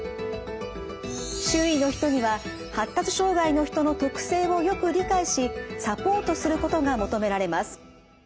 周囲の人には発達障害の人の特性をよく理解しサポートすることが求められます。